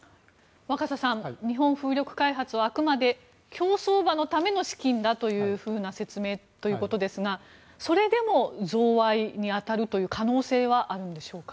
若狭さん、日本風力開発はあくまで競走馬のための資金だという説明ということですがそれでも、贈賄に当たる可能性はあるんでしょうか。